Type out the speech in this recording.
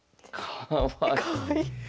かわいい。